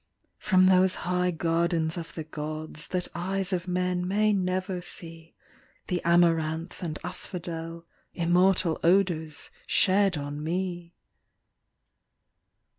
From those high gardens of the Gods That eyes of men may never see, The amaranth and asphodel Immortal odours shed on me.